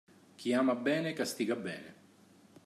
Chi ama bene castiga bene.